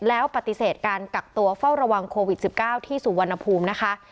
แล้วปฏิเสธการกักตัวเฝ้าระวังโควิด๑๙ที่สุวรรณภูมินะคะ